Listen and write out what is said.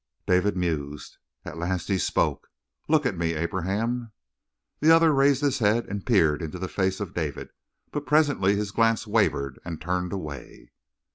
David mused. At last he spoke. "Look at me, Abraham!" The other raised his head and peered into the face of David, but presently his glance wavered and turned away.